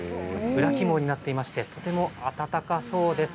裏起毛になっていましてとても温かそうですよ。